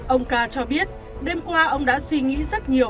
ông ca cho biết đêm qua ông đã suy nghĩ rất nhiều